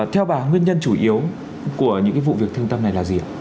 theo bà nguyên nhân chủ yếu của những vụ việc thương tâm này là gì ạ